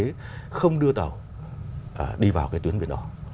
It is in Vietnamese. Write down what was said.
hạn chế không đưa tàu đi vào cái tuyến biển đỏ